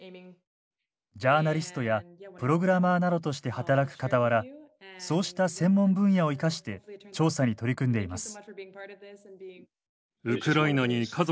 ジャーナリストやプログラマーなどとして働くかたわらそうした専門分野を生かして調査に取り組んでいます。